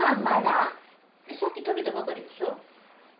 さっき食べたばかりでしょう？